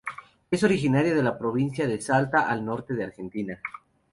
Es originaria de la Provincia de Salta al norte de Argentina.